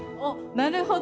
なるほど。